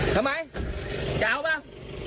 ทำไมจะเอาป่ะ